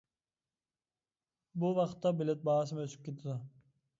بۇ ۋاقىتتا بېلەت باھاسىمۇ ئۆسۈپ كېتىدۇ.